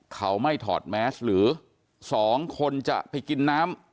เขาไม่ถอดแมสหรือสองคนจะไปกินน้ำ